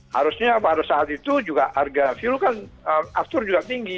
harusnya pada saat itu juga harga fuel kan aftur juga tinggi